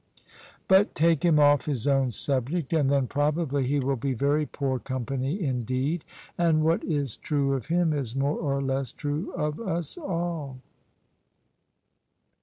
But take him off his own subject, and then probably he will be very poor company indeed. And what is true of him is more or less true of us all.